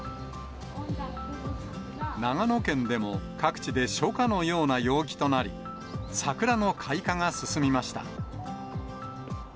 長野県でも、各地で初夏のような陽気となり、桜の開花が進みました。